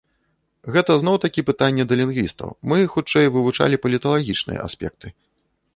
Гэта зноў-такі пытанне да лінгвістаў, мы, хутчэй, вывучалі паліталагічныя аспекты.